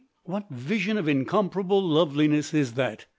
what vision of incomparable loveliness is that?